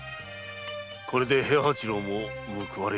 これで平八郎も報われよう。